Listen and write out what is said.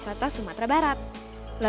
pecah whatsapp saya